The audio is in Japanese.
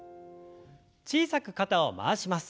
小さく肩を回します。